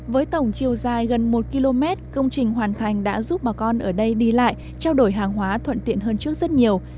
với tổng chiều dài gần một km công trình hoàn thành đã giúp bà con ở đây đi lại trao đổi hàng hóa thuận tiện hơn trước rất nhiều